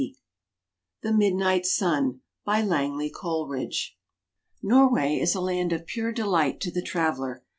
EUROPE The Midnight Sun By LANGLEY COLERIDGE NORWAY is a land of pure delight to the traveler.